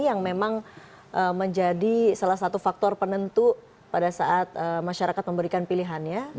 yang memang menjadi salah satu faktor penentu pada saat masyarakat memberikan pilihannya